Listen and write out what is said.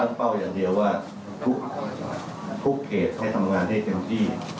ผมตั้งเป้าอย่างเดียวว่าทุกเกตให้ทำงานที่เต็มที่